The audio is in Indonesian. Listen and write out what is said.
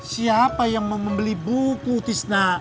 siapa yang mau membeli buku tisna